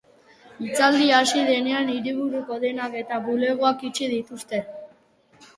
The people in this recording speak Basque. Itzalaldia hasi denean hiriburuko dendak eta bulegoak itxi dituzte.